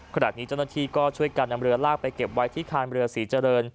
ขณะนี้เจ้าหน้าที่ก็ช่วยกันนำเรือลากไปเก็บไว้ที่คานเรือศรีเจริญ